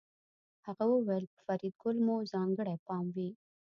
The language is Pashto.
هغه وویل په فریدګل مو ځانګړی پام وي